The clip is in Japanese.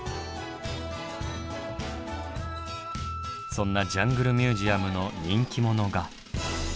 そんなジャングルミュージアムの人気者が。